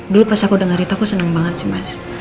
dulu pas aku dengar itu aku senang banget sih mas